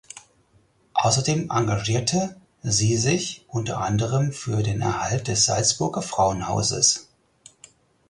Außerdem engagierte sie sich unter anderem für den Erhalt des Salzburger Frauenhauses.